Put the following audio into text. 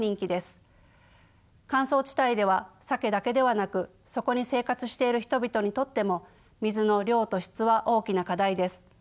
乾燥地帯ではサケだけではなくそこに生活している人々にとっても水の量と質は大きな課題です。